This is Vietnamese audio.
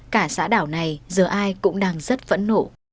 cả xã đảo này giờ ai cũng đang rất phẫn nộ